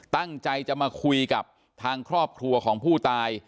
ตั้งใจจะมาคุยกับทางครอบครัวของผู้ตาย